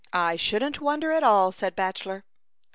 " I shouldn't wonder at all," said Bachelor.